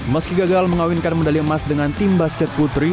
meski gagal mengawinkan medali emas dengan tim basket putri